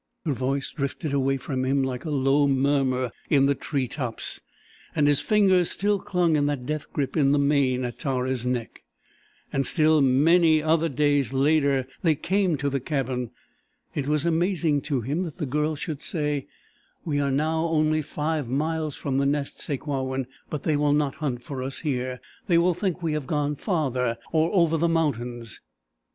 Her voice drifted away from him like a low murmur in the tree tops and his fingers still clung in that death grip in the mane at Tara's neck. And still many other days later they came to the cabin. It was amazing to him that the Girl should say: "We are only five miles from the Nest, Sakewawin, but they will not hunt for us here. They will think we have gone farther or over the mountains!"